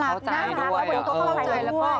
เข้าใจด้วยและวันนี้ก็เข้าใจด้วย